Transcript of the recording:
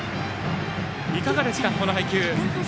いかがですか、この配球。